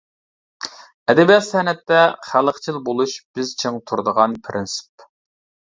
ئەدەبىيات-سەنئەتتە خەلقچىل بولۇش بىز چىڭ تۇرىدىغان پىرىنسىپ.